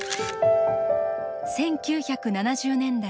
１９７０年代